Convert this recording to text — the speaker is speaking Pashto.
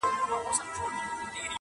خو په منځ کي دا یو سوال زه هم لرمه -